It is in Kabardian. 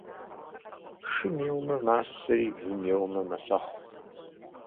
Шым еуэмэ масэри, вым еуэмэ мэсэхъу.